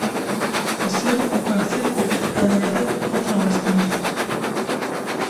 Li Sêrt û Qersê perwerde hat rawestandin.